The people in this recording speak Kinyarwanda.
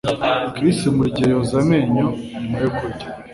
Chris buri gihe yoza amenyo nyuma yo kurya